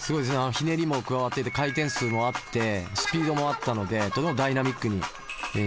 ひねりも加わってて回転数もあってスピードもあったのでとてもダイナミックに見えましたね。